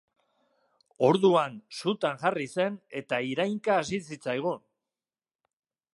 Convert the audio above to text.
Orduan sutan jarri zen eta irainka hasi zitzaigun.